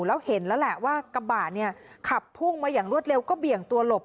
แล้วเห็นแล้วแหละว่ากระบะเนี่ยขับพุ่งมาอย่างรวดเร็วก็เบี่ยงตัวหลบ